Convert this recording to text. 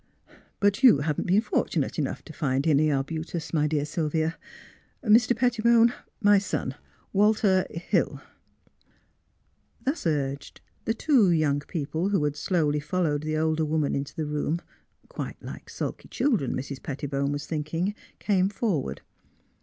But you haven't been fortunate enough to find any arbutus, my dear Sylvia. Mr. Pettibone, my son, Walter — Hill." Thus urged, the two young people who had slowly followed the older woman into the room quite like sulky children, Mrs. Pettibone was thinking — came forward.